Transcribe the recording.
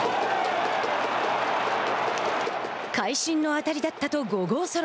会心の当たりだったと５号ソロ。